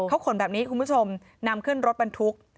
เขาขนแบบนี้คุณผู้ชมนำขึ้นรถบรรทุก